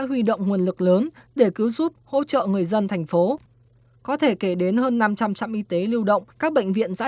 hãy đăng ký kênh để ủng hộ kênh của mình nhé